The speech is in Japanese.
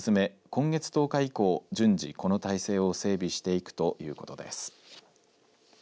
今月１０日以降、順次この体制を整備していくということです。